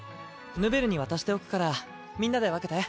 ヌヴェルに渡しておくからみんなで分けて。